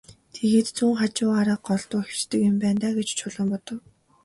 Тэгээд зүүн хажуугаараа голдуу хэвтдэг юм байна даа гэж Чулуун бодов.